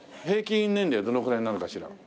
平均年齢はどのくらいになるかしら？